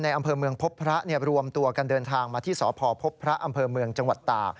อำเภอเมืองพบพระรวมตัวกันเดินทางมาที่สพพบพระอำเภอเมืองจังหวัดตาก